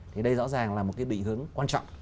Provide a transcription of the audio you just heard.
thì đây rõ ràng là một cái định hướng quan trọng